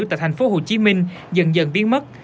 tại thành phố hồ chí minh dần dần biến mất